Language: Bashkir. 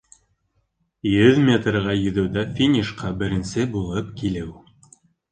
Йөҙ метрға йөҙөүҙә финишҡа беренсе булып килеү